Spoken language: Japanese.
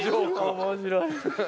面白い。